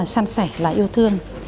săn sẻ là yêu thương